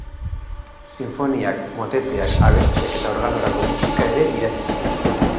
Sinfoniak, moteteak, abestiak eta organorako musika ere idatzi zuen.